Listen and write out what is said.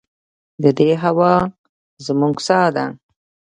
د دې هوا زموږ ساه ده